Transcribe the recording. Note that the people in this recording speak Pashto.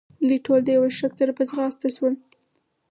دوی ټول د یوه شړک سره په ځغاسته شول.